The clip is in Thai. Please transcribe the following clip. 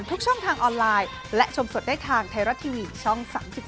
ตอบสาระไปซะงั้น